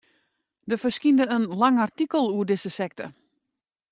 Der ferskynde in lang artikel oer dizze sekte.